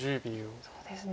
そうですね。